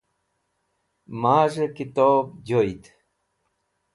Maz̃he Kitob Joyd